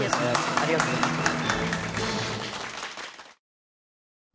ありがとうございます。